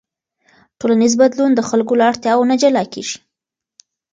ټولنیز بدلون د خلکو له اړتیاوو نه جلا کېږي.